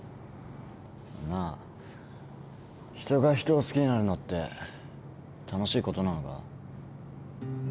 なあ人が人を好きになるのって楽しいことなのか？